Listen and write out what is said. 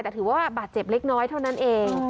แต่ถือว่าบาดเจ็บเล็กน้อยเท่านั้นเอง